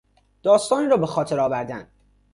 داستانی را به خاطر آوردن